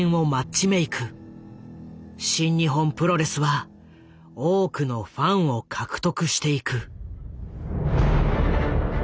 新日本プロレスは多くのファンを獲得していく。